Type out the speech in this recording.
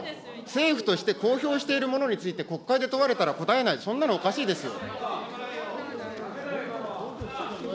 政府として公表しているものについて、国会で問われたら答えない、そんなのおかしいですよ。